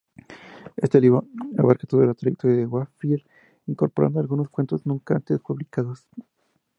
Este libro abarca toda la trayectoria de Wakefield, incorporando algunos cuentos nunca antes publicados.